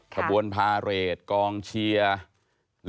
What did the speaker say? ขบวนพาเรทกองเชียร์